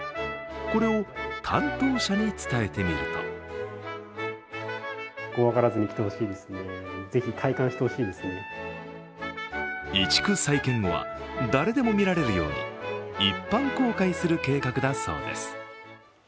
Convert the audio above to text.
これを担当者に伝えてみると移築再建後は誰でも見られるように一般公開する計画だそうです。